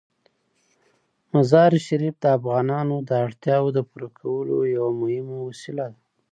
مزارشریف د افغانانو د اړتیاوو د پوره کولو یوه مهمه وسیله ده.